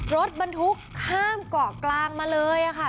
รถบรรทุกข้ามเกาะกลางมาเลยค่ะ